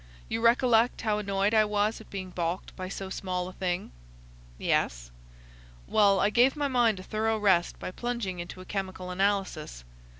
You recollect how annoyed I was at being balked by so small a thing?" "Yes." "Well, I gave my mind a thorough rest by plunging into a chemical analysis.